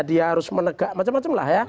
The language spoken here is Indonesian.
dia harus menegak macem macem lah ya